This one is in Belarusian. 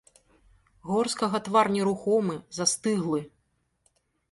Горскага твар нерухомы, застыглы.